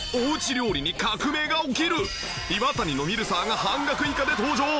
イワタニのミルサーが半額以下で登場！